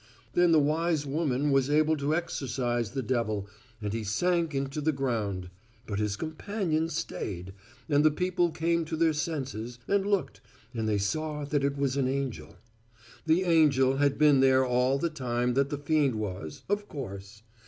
Then the wise woman was able to exorcise the devil, and he sank into the ground; but his companion stayed, and the people came to their senses, and looked, and they saw that it was an angel. The angel had been there all the time that the fiend was, of course.